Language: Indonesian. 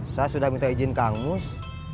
saya sudah minta izin kang mus